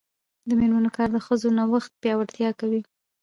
د میرمنو کار د ښځو نوښت پیاوړتیا کوي.